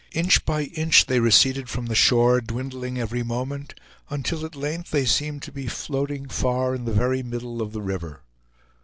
Inch by inch they receded from the shore, dwindling every moment, until at length they seemed to be floating far in the very middle of the river.